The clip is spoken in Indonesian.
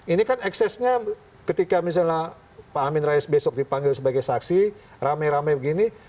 ini kan eksesnya ketika misalnya pak amin rais besok dipanggil sebagai saksi rame rame begini